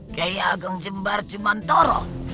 kiai ageng jembar jemantoro